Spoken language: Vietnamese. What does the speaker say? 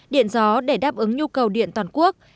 điện gió để đáp ứng nhu cầu điện toàn quốc